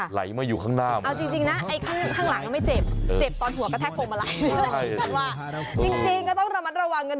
ไหลมาอยู่ข้างหน้ามา